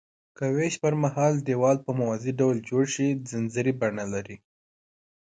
که ویش پرمهال دیوال په موازي ډول جوړ شي ځنځیري بڼه لري.